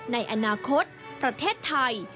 ในอนาคตประเทศไทย